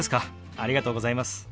ありがとうございます。